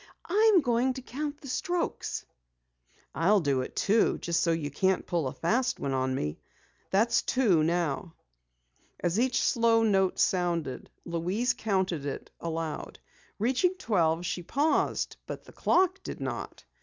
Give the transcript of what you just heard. "I'm going to count the strokes." "I'll do it too, just so you can't pull a fast one on me. That's two now." As each slow note sounded, Louise counted it aloud. Reaching twelve, she paused, but the clock did not.